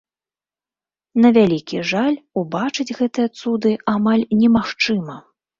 На вялікі жаль, убачыць гэтыя цуды амаль немагчыма.